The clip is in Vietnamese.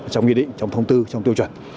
trong nghị định trong thông tư trong tiêu chuẩn